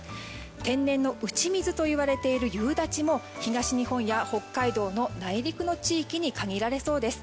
天然の打ち水と言われている夕立も東日本や北海道の内陸の地域に限られそうです。